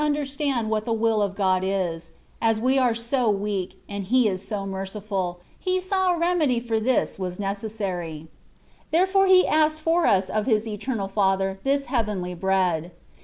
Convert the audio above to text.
derstand what the will of God is^ as we are so weak, and He is so merciftil^ He saw a remedy for this was necessary; and therefore He asked for us of His Eternal Father this heavenly bread.